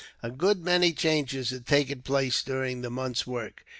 A good many changes had taken place during the month's work.